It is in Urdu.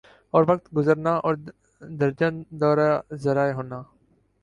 اور وقت گزرنا اور درجن دورہ ذرائع ہونا